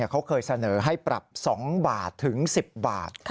เขาเคยเสนอให้ปรับ๒บาทถึง๑๐บาท